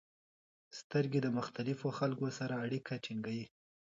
• سترګې د مختلفو خلکو سره اړیکه ټینګوي.